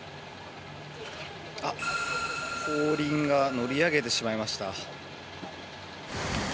後輪が乗り上げてしまいました。